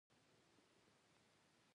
چې پیالې تقسیمېدلې زه ویده وم.